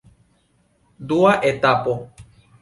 Dua etapo.